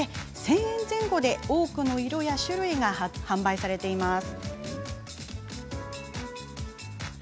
１０００円前後で多くの色や種類が販売されています。